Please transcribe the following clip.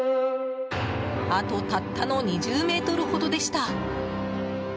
あと、たったの２０ｍほどでした。